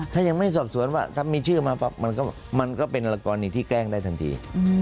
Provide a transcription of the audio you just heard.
ถ้ายังไม่สอบสวนว่าถ้ามีชื่อมาปั๊บมันก็เป็นละกรณีที่แกล้งได้ทันที